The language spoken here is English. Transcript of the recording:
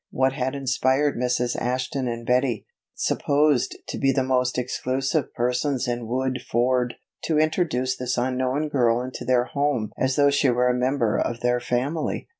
What had inspired Mrs. Ashton and Betty, supposed to be the most exclusive persons in Woodford, to introduce this unknown girl into their home as though she were a member of their family?